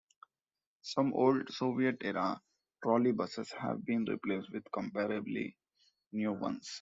Some old Soviet-era trolleybuses have been replaced with comparably new ones.